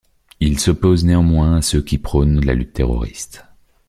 Il s'oppose néanmoins à ceux qui prônent la lutte terroriste.